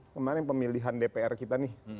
kemarin pemilihan dpr kita nih